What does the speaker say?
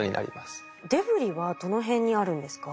デブリはどの辺にあるんですか？